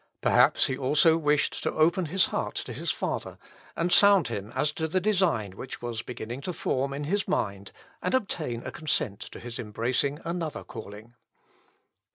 Perhaps he also wished to open his heart to his father, and sound him as to the design which was beginning to form in his mind, and obtain a consent to his embracing another calling.